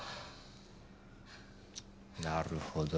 なるほど。